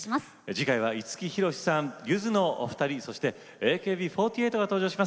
次回は五木ひろしさんゆずのお二人そしてＡＫＢ４８が登場します。